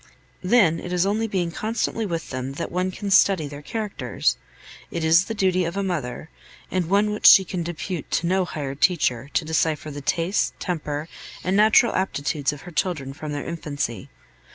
Then it is only in being constantly with them that one can study their characters. It is the duty of a mother, and one which she can depute to no hired teacher, to decipher the tastes, temper, and natural aptitudes of her children from their infancy.